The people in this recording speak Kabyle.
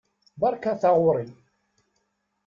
Beṛka taɣuṛi!